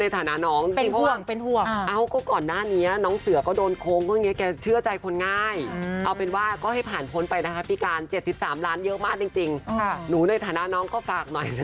ตอนนี้ใครมาชวนลงทุนทำอะไรนะ